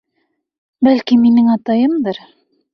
Бәлки, минең атайымдыр?